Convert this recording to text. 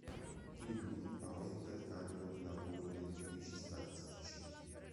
Quindi aumenta il carico di lavoro degli uffici statistici.